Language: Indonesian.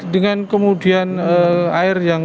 dengan kemudian air yang